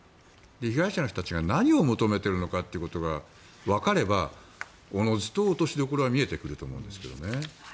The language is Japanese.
被害者の人たちが何を求めてるのかってことがわかればおのずと落としどころは見えてくると思うんですけどね。